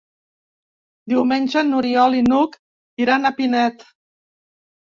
Diumenge n'Oriol i n'Hug iran a Pinet.